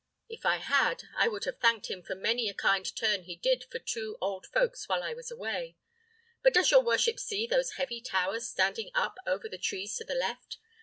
If I had I would have thanked him for many a kind turn he did for the two old folks while I was away. But does your worship see those heavy towers standing up over the trees to the left?